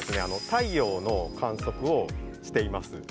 太陽の観測をしています。